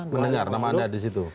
mendengar nama anda di situ